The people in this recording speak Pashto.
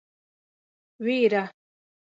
وېره.